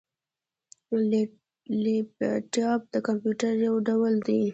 لیپټاپ د کمپيوټر یو ډول دی